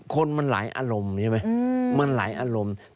คนมันหลายอารมณ์ใช่ไหมมันหลายอารมณ์